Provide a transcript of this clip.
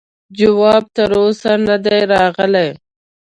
جواب تر اوسه نه دی راغلی.